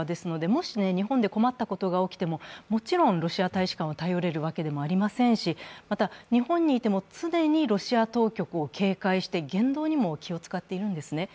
もし日本で困ったことが起きてももちろんロシア大使館を頼れるわけでもありませんしまた、日本にいても常にロシア当局を警戒して、言動にも気を使っているんですね。